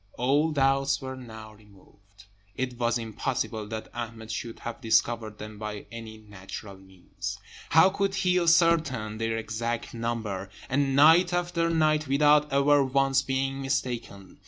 All doubts were now removed. It was impossible that Ahmed should have discovered them by any natural means. How could he ascertain their exact number? and night after night, without ever once being mistaken?